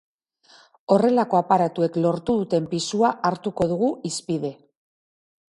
Horrelako aparatuek lortu duten pisua hartuko dugu hizpide.